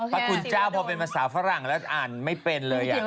พระคุณเจ้าพอเป็นภาษาฝรั่งแล้วอ่านไม่เป็นเลย